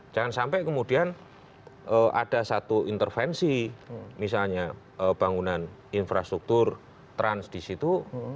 jangan sampai kemudian ada satu intervensi misalnya bangunan infrastruktur trans di situ